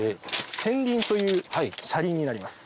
先輪という車輪になります。